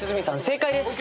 正解です。